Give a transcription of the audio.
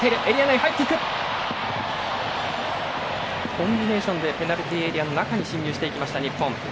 コンビネーションでペナルティーエリアの中に進入していきました、日本。